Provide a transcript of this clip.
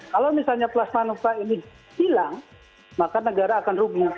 kalau misalnya plasma nova ini hilang maka negara akan rugi